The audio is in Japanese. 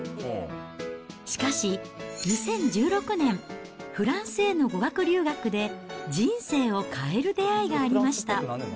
しかし、２０１６年、フランスへの語学留学で人生を変える出会いがありました。